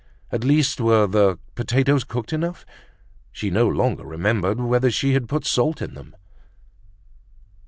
At least were the potatoes cooked enough? She no longer remembered whether she had put salt in them.